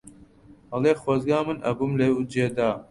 ئەڵێ خۆزگا من ئەبووم لەو جێدا